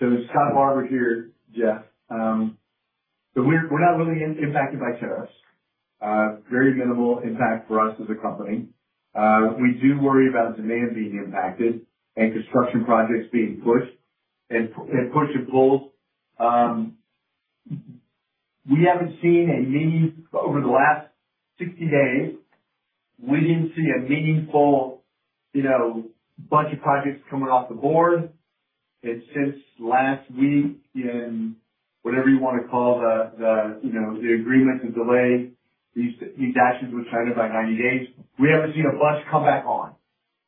It's Scott Barbour here, Jeff. We're not really impacted by tariffs. Very minimal impact for us as a company. We do worry about demand being impacted and construction projects being pushed and pulled. We haven't seen a meaning over the last 60 days. We didn't see a meaningful bunch of projects coming off the board. Since last week in whatever you want to call the agreement to delay these actions with China by 90 days, we haven't seen a bunch come back on.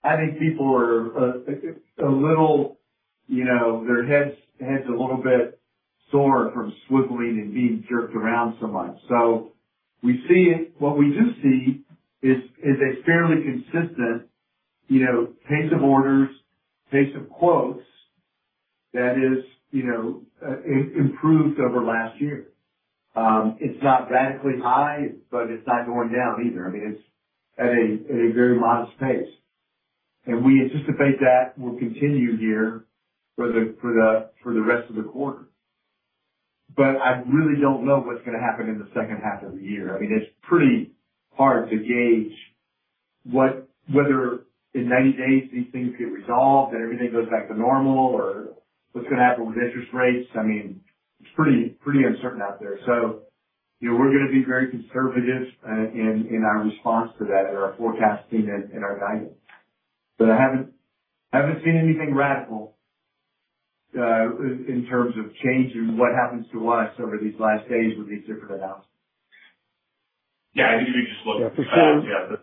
I think people are a little, their heads a little bit sore from swiveling and being jerked around so much. What we do see is a fairly consistent pace of orders, pace of quotes that is improved over last year. It's not radically high, but it's not going down either. I mean, it's at a very modest pace. We anticipate that will continue here for the rest of the quarter. I really do not know what is going to happen in the second half of the year. I mean, it is pretty hard to gauge whether in 90 days these things get resolved and everything goes back to normal or what is going to happen with interest rates. I mean, it is pretty uncertain out there. We are going to be very conservative in our response to that and our forecasting and our guidance. I have not seen anything radical in terms of changing what happens to us over these last days with these different announcements. Yeah. I think if you just look at the past, yeah, that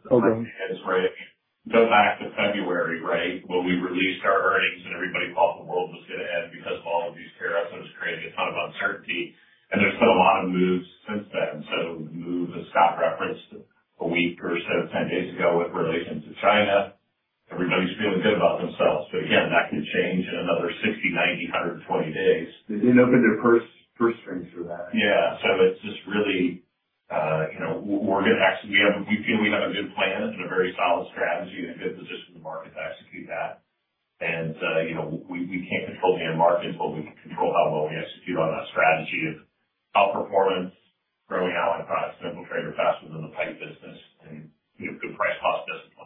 is right. I mean, go back to February, right, when we released our earnings and everybody thought the world was going to end because of all of these tariffs that was creating a ton of uncertainty. There's been a lot of moves since then. We moved the stock reference a week or so, 10 days ago with relation to China. Everybody's feeling good about themselves. That can change in another 60, 90, 120 days. They didn't open their purse strings for that. Yeah. It's just really we're going to, we feel we have a good plan and a very solid strategy and a good position in the market to execute that. We can't control the end market until we can control how well we execute on that strategy of outperformance, growing allied products and Infiltrator faster than the pipe business, and good price cost discipline.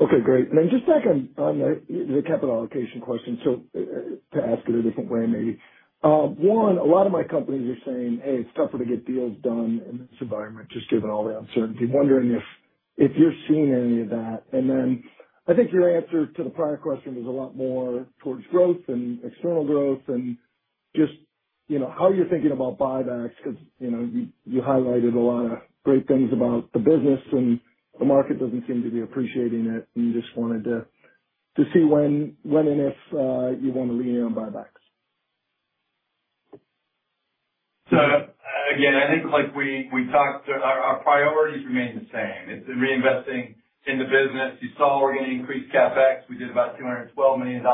Okay. Great. Then just back on the capital allocation question, to ask it a different way maybe. One, a lot of my companies are saying, "Hey, it's tougher to get deals done in this environment just given all the uncertainty." Wondering if you're seeing any of that. I think your answer to the prior question was a lot more towards growth and external growth and just how you're thinking about buybacks because you highlighted a lot of great things about the business and the market does not seem to be appreciating it. I just wanted to see when and if you want to lean in on buybacks. Again, I think like we talked, our priorities remain the same. It's the reinvesting in the business. You saw we're going to increase CapEx. We did about $212 million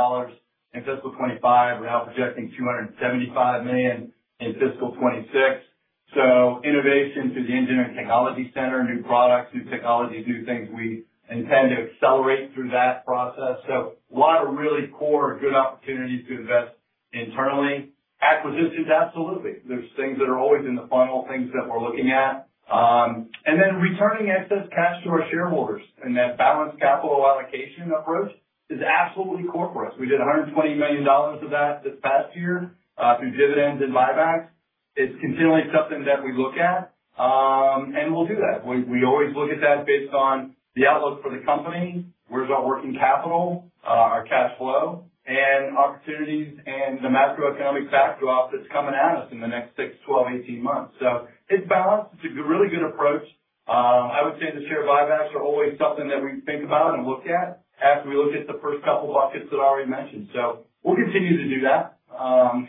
in fiscal 2025. We're now projecting $275 million in fiscal 2026. Innovation through the engineering technology center, new products, new technologies, new things we intend to accelerate through that process. A lot of really core good opportunities to invest internally. Acquisitions, absolutely. There are things that are always in the funnel, things that we're looking at. Then returning excess cash to our shareholders and that balanced capital allocation approach is absolutely core for us. We did $120 million of that this past year through dividends and buybacks. It's continually something that we look at, and we'll do that. We always look at that based on the outlook for the company, where's our working capital, our cash flow, and opportunities and the macroeconomic backdrop that's coming at us in the next six, 12, 18 months. It is balanced. It is a really good approach. I would say the share buybacks are always something that we think about and look at after we look at the first couple of buckets that I already mentioned. We will continue to do that.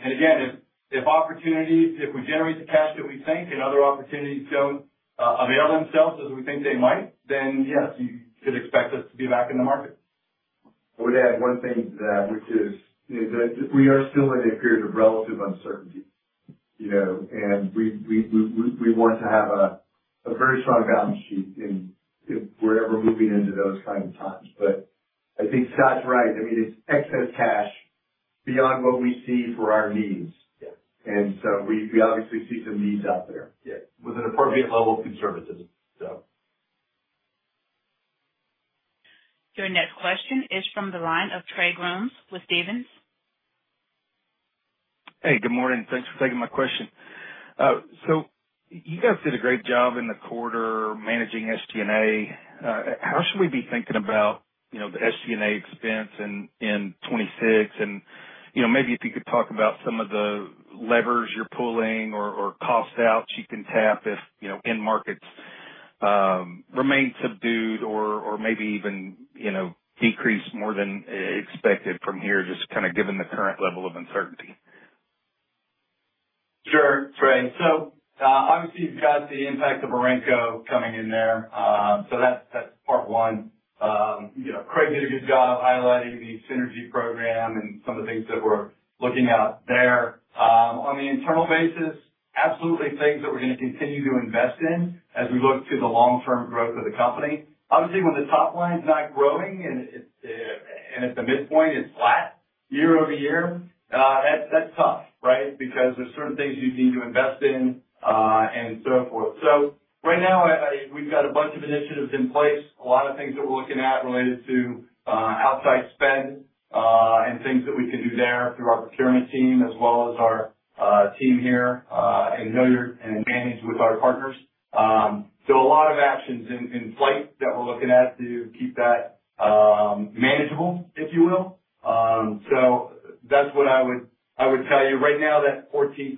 Again, if opportunities, if we generate the cash that we think and other opportunities do not avail themselves as we think they might, then yes, you should expect us to be back in the market. I would add one thing to that, which is that we are still in a period of relative uncertainty, and we want to have a very strong balance sheet wherever moving into those kinds of times. I think Scott's right. I mean, it's excess cash beyond what we see for our needs. We obviously see some needs out there. Yeah. With an appropriate level of conservatism, so. Your next question is from the line of Trey Grooms with Stephens. Hey, good morning. Thanks for taking my question. You guys did a great job in the quarter managing SG&A. How should we be thinking about the SG&A expense in 2026? Maybe if you could talk about some of the levers you're pulling or cost outs you can tap if end markets remain subdued or maybe even decrease more than expected from here, just kind of given the current level of uncertainty. Sure. Great. Obviously, you've got the impact of Orenco coming in there. That's part one. Craig did a good job highlighting the synergy program and some of the things that we're looking at there. On the internal basis, absolutely things that we're going to continue to invest in as we look to the long-term growth of the company. Obviously, when the top line's not growing and at the midpoint, it's flat year-over-year, that's tough, right? Because there are certain things you need to invest in and so forth. Right now, we've got a bunch of initiatives in place, a lot of things that we're looking at related to outside spend and things that we can do there through our procurement team as well as our team here in Hilliard and in Manage with our partners. A lot of actions in place that we're looking at to keep that manageable, if you will. That is what I would tell you. Right now, that 14%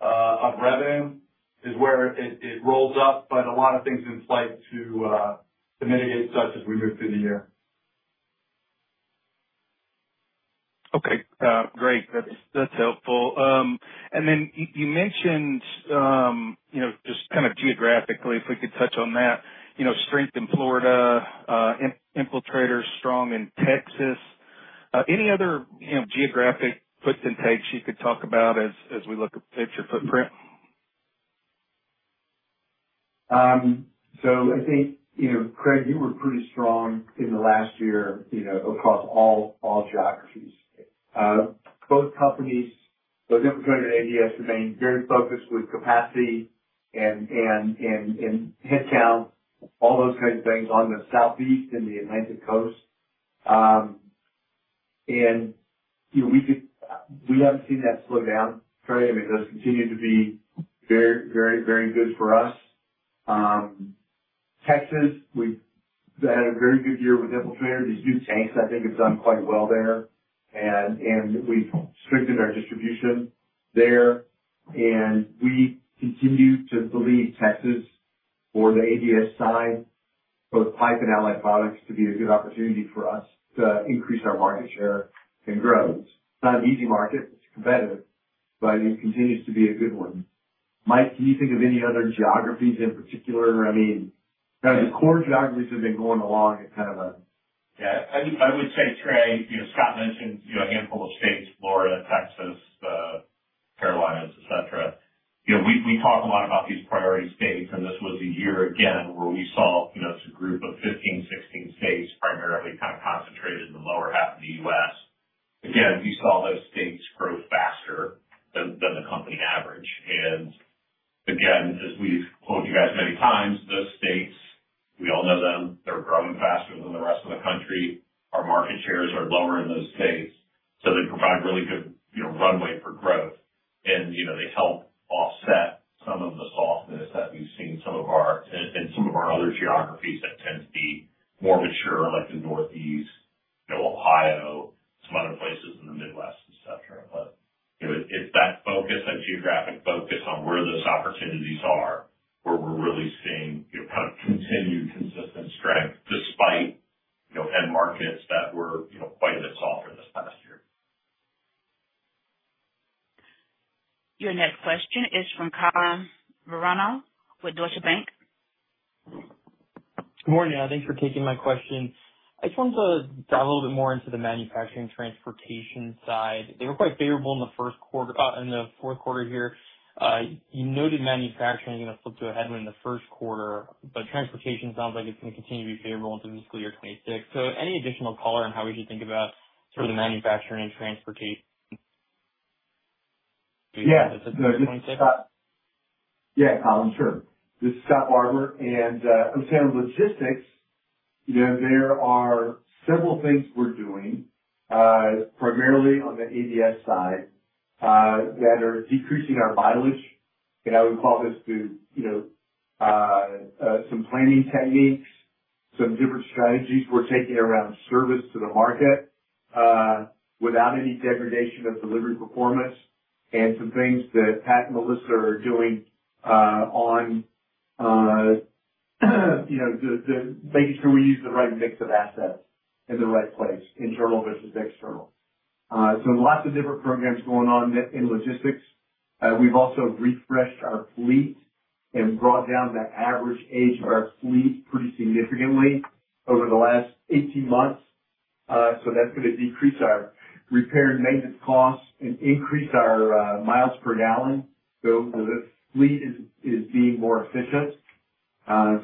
of revenue is where it rolls up, but a lot of things in place to mitigate such as we move through the year. Okay. Great. That's helpful. You mentioned just kind of geographically, if we could touch on that, strength in Florida, Infiltrator is strong in Texas. Any other geographic puts and takes you could talk about as we look at your footprint? I think, [Trey], you were pretty strong in the last year across all geographies. Both companies, both Infiltrator and ADS, remain very focused with capacity and headcount, all those kinds of things on the Southeast and the Atlantic coast. We have not seen that slow down, [Trey]. I mean, those continue to be very, very good for us. Texas, we have had a very good year with Infiltrator. These new tanks, I think, have done quite well there. We have strengthened our distribution there. We continue to believe Texas or the ADS side, both pipe and allied products, to be a good opportunity for us to increase our market share and growth. It is not an easy market. It is competitive, but it continues to be a good one. Mike, can you think of any other geographies in particular? I mean, kind of the core geographies have been going along at kind of a. Yeah. I would say, Trey, Scott mentioned a handful of states, Florida, Texas, Carolinas, etc. We talk a lot about these priority states, and this was a year again where we saw it's a group of 15-16 states primarily kind of concentrated in the lower half of the U.S. Again, we saw those states grow faster than the company average. Again, as we've told you guys many times, those states, we all know them, they're growing faster than the rest of the country. Our market shares are lower in those states, so they provide really good runway for growth. They help offset some of the softness that we've seen in some of our other geographies that tend to be more mature, like the Northeast, Ohio, some other places in the Midwest, etc. It is that focus, that geographic focus on where those opportunities are where we are really seeing kind of continued consistent strength despite end markets that were quite a bit softer this past year. Your next question is from [Carl Barano] with Deutsche Bank. Good morning. Thanks for taking my question. I just wanted to dive a little bit more into the manufacturing transportation side. They were quite favorable in the fourth quarter here. You noted manufacturing is going to flip to a headwind in the first quarter, but transportation sounds like it's going to continue to be favorable into fiscal year 2026. Any additional color on how we should think about sort of the manufacturing and transportation in fiscal year 2026? Yeah, Colin, sure. This is Scott Barbour. I would say on logistics, there are several things we're doing primarily on the ADS side that are decreasing our mileage. I would call this through some planning techniques, some different strategies we're taking around service to the market without any degradation of delivery performance, and some things that Pat and Melissa are doing on making sure we use the right mix of assets in the right place, internal versus external. Lots of different programs going on in logistics. We've also refreshed our fleet and brought down the average age of our fleet pretty significantly over the last 18 months. That is going to decrease our repair and maintenance costs and increase our miles per gallon. The fleet is being more efficient. I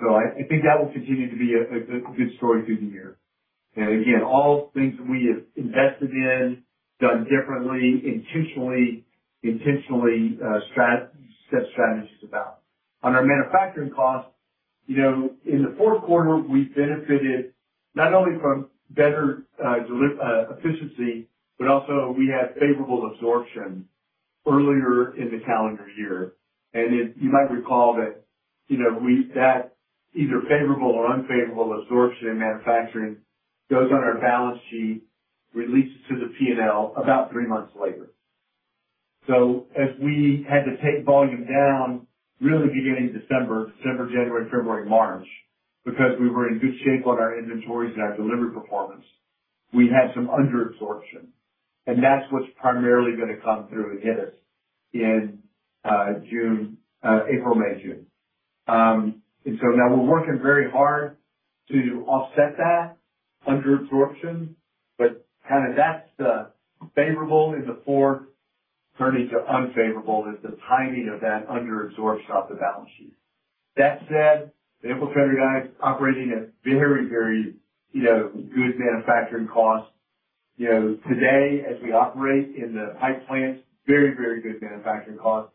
think that will continue to be a good story through the year. All things that we have invested in, done differently, intentionally set strategies about. On our manufacturing costs, in the fourth quarter, we benefited not only from better efficiency, but also we had favorable absorption earlier in the calendar year. You might recall that that either favorable or unfavorable absorption in manufacturing goes on our balance sheet, releases to the P&L about three months later. As we had to take volume down really beginning December, December, January, February, March, because we were in good shape on our inventories and our delivery performance, we had some under-absorption. That is what is primarily going to come through and hit us in April, May, June. Now we are working very hard to offset that under-absorption, but kind of that is the favorable in the fourth turning to unfavorable is the timing of that under-absorption off the balance sheet. That said, the Infiltrator guys operating at very, very good manufacturing costs today as we operate in the pipe plants, very, very good manufacturing costs.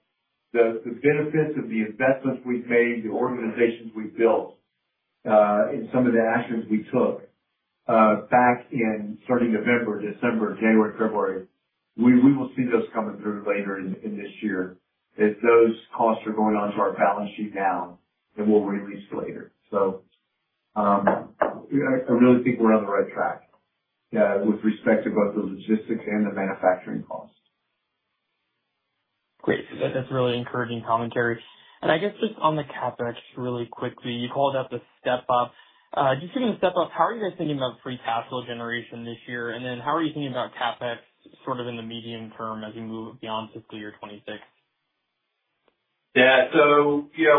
The benefits of the investments we've made, the organizations we've built, and some of the actions we took back in starting November, December, January, February, we will see those coming through later in this year as those costs are going onto our balance sheet now and will release later. I really think we're on the right track with respect to both the logistics and the manufacturing costs. Great. That's really encouraging commentary. I guess just on the CapEx, really quickly, you called out the step-up. Just giving a step-up, how are you guys thinking about free cash flow generation this year? How are you thinking about CapEx sort of in the medium term as we move beyond fiscal year 2026? Yeah.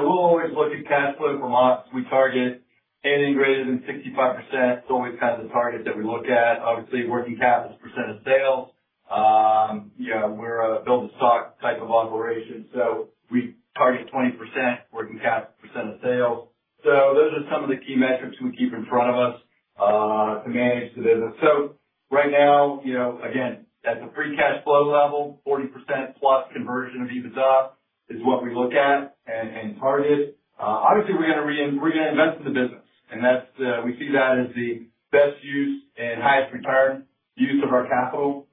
We'll always look at cash flow from us. We target anything greater than 65%. It's always kind of the target that we look at. Obviously, working cap is % of sales. We're a build-and-stock type of operation. We target 20% working cap % of sales. Those are some of the key metrics we keep in front of us to manage the business. Right now, again, at the free cash flow level, 40% plus conversion of EBITDA is what we look at and target. Obviously, we're going to invest in the business. We see that as the best use and highest return use of our capital.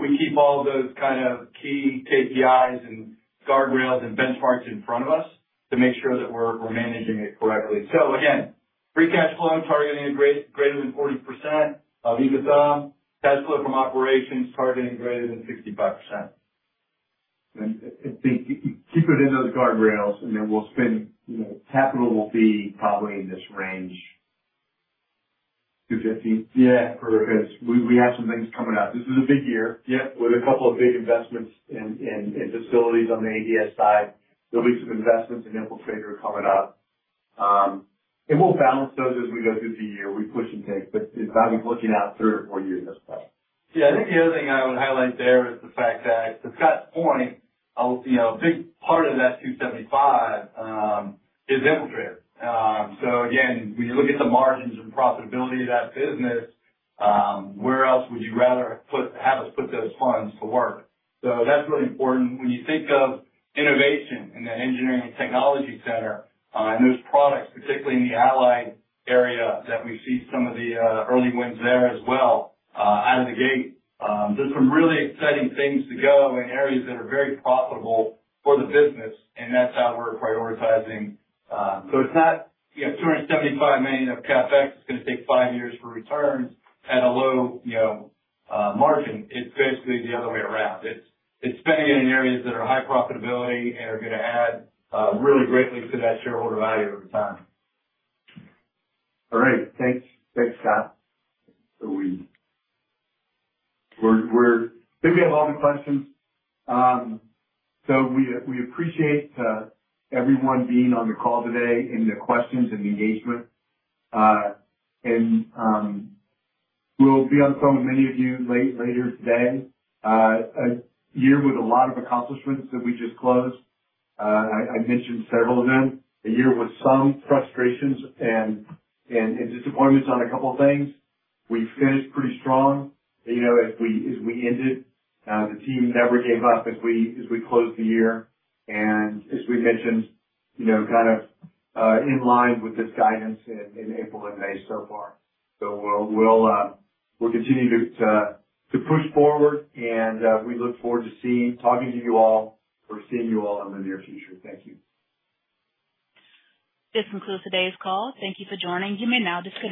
We keep all of those kind of key KPIs and guardrails and benchmarks in front of us to make sure that we're managing it correctly. So again, free cash flow targeting greater than 40% of EBITDA, cash flow from operations targeting greater than 65%. I think keep it in those guardrails, and then we'll spend capital will be probably in this range, $250 million? Yeah, because we have some things coming up. This is a big year with a couple of big investments in facilities on the ADS side. There'll be some investments in Infiltrator coming up. And we'll balance those as we go through the year. We push and take, but I'll be looking out three or four years as well. Yeah. I think the other thing I would highlight there is the fact that to Scott's point, a big part of that $275 million is Infiltrator. So again, when you look at the margins and profitability of that business, where else would you rather have us put those funds to work? So that's really important. When you think of innovation in the engineering and technology center and those products, particularly in the allied area that we've seen some of the early wins there as well out of the gate, there's some really exciting things to go in areas that are very profitable for the business, and that's how we're prioritizing. It's not $275 million of CapEx is going to take five years for returns at a low margin. It's basically the other way around. It's spending it in areas that are high profitability and are going to add really greatly to that shareholder value over time. All right. Thanks, Scott. We're good to have all the questions. We appreciate everyone being on the call today in the questions and engagement. We'll be on the phone with many of you later today. A year with a lot of accomplishments that we just closed. I mentioned several of them. A year with some frustrations and disappointments on a couple of things. We finished pretty strong as we ended. The team never gave up as we closed the year. As we mentioned, kind of in line with this guidance in April and May so far. We will continue to push forward, and we look forward to talking to you all or seeing you all in the near future. Thank you. This concludes today's call. Thank you for joining. You may now disconnect.